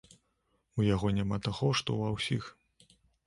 У яго няма таго, што ва ўсіх.